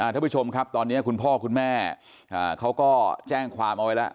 ท่านผู้ชมครับตอนนี้คุณพ่อคุณแม่เขาก็แจ้งความเอาไว้แล้ว